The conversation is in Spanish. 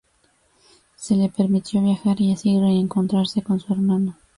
Se le permitió viajar y así reencontrarse con su hermano.